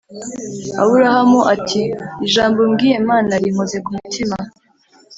Aburahamu ati ijambo umbwiye Mana rinkoze ku mutima